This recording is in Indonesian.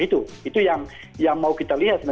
itu yang mau kita lihat